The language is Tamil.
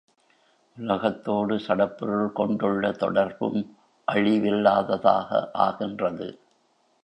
உலகத்தோடு சடப்பொருள் கொண்டுள்ள தொடர்பும் அழிவில்லாததாக ஆகின்றது.